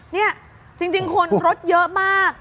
นี่จริงคนรถเยอะมาก